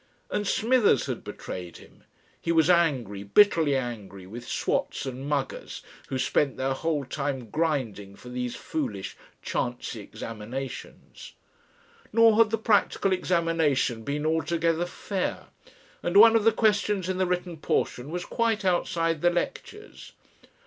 And Smithers had betrayed him. He was angry, bitterly angry, with "swats" and "muggers" who spent their whole time grinding for these foolish chancy examinations. Nor had the practical examination been altogether fair, and one of the questions in the written portion was quite outside the lectures.